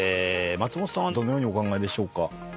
松本さんはどのようにお考えでしょうか？